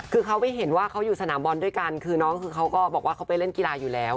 คือเขาไปเห็นว่าเขาอยู่สนามบอลด้วยกันคือน้องคือเขาก็บอกว่าเขาไปเล่นกีฬาอยู่แล้ว